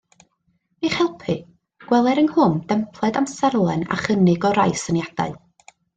I'ch helpu, gweler ynghlwm dempled amserlen a chynnig o rai syniadau